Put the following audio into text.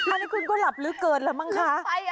อันนี้คุณก็หลับลื้อเกินละมั้งคะ